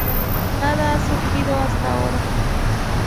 Nada ha surgido hasta ahora.